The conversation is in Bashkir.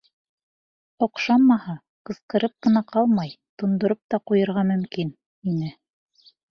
Оҡшамаһа, ҡысҡырып ҡына ҡалмай, тондороп та ҡуйырға мөмкин ине.